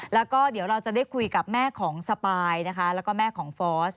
แล้วก็เดี๋ยวเราจะได้คุยกับแม่ของสปายนะคะแล้วก็แม่ของฟอส